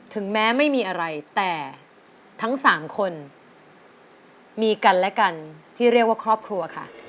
ถึงแม้ไม่มีอะไรแต่ทั้งสามคนมีกันและกันที่เรียกว่าครอบครัวค่ะ